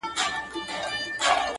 په دا پوهه سه چي زموږ مشر د قام مل دی